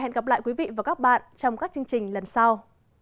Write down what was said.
hẹn gặp lại quý vị và các bạn trong các chương trình lần sau